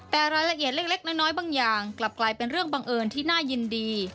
แต่รายละเอียดเล็กน้อยบางอย่างกลับกลายเป็นเรื่องบังเอิญที่น่ายินดี